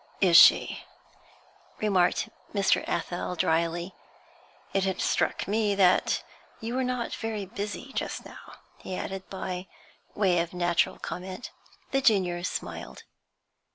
'Is she?' remarked Mr. Athel, drily. 'It had struck me that you were not very busy just now,' he added, by way of natural comment. The junior smiled.